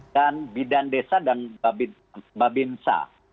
dan bidan desa dan babinsa